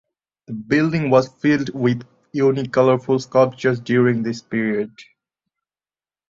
The building was filled with unique colorful sculptures during this period.